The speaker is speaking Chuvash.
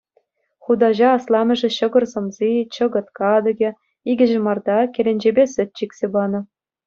Хутаҫа асламӑшӗ ҫӑкӑр сӑмси, чӑкӑт катӑке, икӗ ҫӑмарта, кӗленчепе сӗт чиксе панӑ.